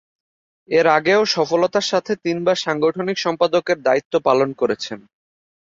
এর আগেও সফলতার সাথে তিনবার সাংগঠনিক সম্পাদকের দায়িত্ব পালন করেছেন।